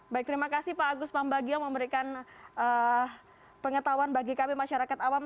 baik terima kasih pak agus pambagio memberikan pengetahuan bagi kami masyarakat awam